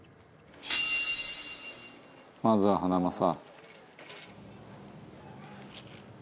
「まずはハナマサ」